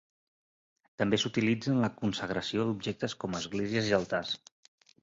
També s'utilitza en la consagració d'objectes com esglésies i altars.